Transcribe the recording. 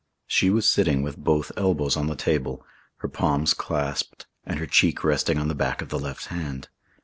She was sitting with both elbows on the table, her palms clasped and her cheek resting on the back of the left hand.